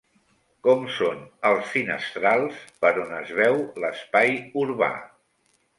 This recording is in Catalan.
Com són els finestrals per on es veu l'espai urbà?